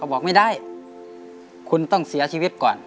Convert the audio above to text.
บอกไม่ได้คุณต้องเสียชีวิตก่อน